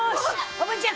おぶんちゃん！